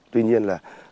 tuy nhiên là